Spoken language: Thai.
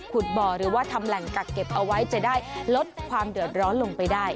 บ่อหรือว่าทำแหล่งกักเก็บเอาไว้จะได้ลดความเดือดร้อนลงไปได้